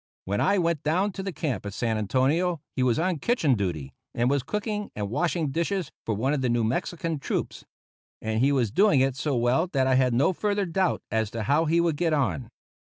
When I went down to the camp at San Antonio he was on kitchen duty, and was cooking and washing dishes for one of the New Mexican troops; and he was doing it so well that I had no further doubt as to how he would get on.